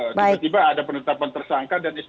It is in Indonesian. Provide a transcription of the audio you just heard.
tiba tiba ada penetapan tersangka dan sp